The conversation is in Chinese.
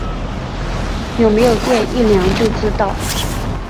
有没有电一量就知道